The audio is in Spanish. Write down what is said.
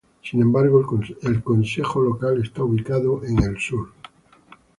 Sin embargo, el consejo local está ubicado en el sur.